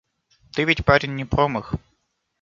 Ты ведь парень не промах.